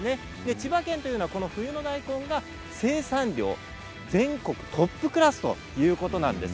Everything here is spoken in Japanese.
千葉県というのは冬の大根が生産量全国トップクラスということなんです。